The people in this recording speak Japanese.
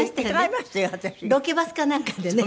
ロケバスかなんかでね。